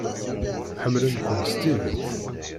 Ḥemmlen-kent s tidet.